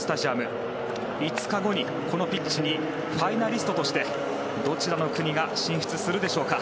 ５日後にこのピッチにファイナリストとしてどちらの国が進出するでしょうか。